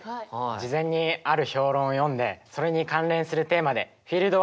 事前にある評論を読んでそれに関連するテーマでフィールドワークをしてきました。